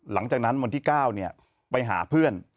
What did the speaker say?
หลังจากที่วันที่๙ไปหาเพื่อน